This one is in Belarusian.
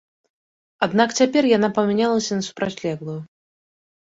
Аднак цяпер яна памянялася на супрацьлеглую.